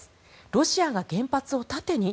ロシアが原発を盾に？